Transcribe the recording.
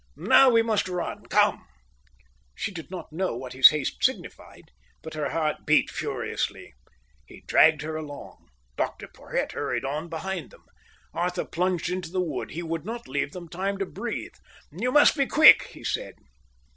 "Now we must run. Come." She did not know what his haste signified, but her heart beat furiously. He dragged her along. Dr Porhoët hurried on behind them. Arthur plunged into the wood. He would not leave them time to breathe. "You must be quick," he said.